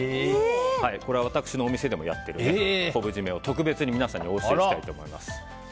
これは私のお店でもやってる昆布〆を特別に皆さんにお教えしたいと思います。